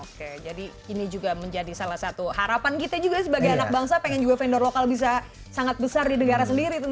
oke jadi ini juga menjadi salah satu harapan kita juga sebagai anak bangsa pengen juga vendor lokal bisa sangat besar di negara sendiri